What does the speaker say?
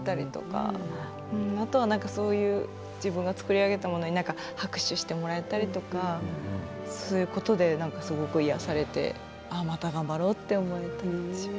あとは自分が作り上げたものに拍手をしてもらえたりとかそういうことで癒やされてまた頑張ろうと思える。